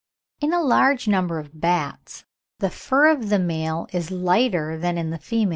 In a large number of bats the fur of the male is lighter than in the female.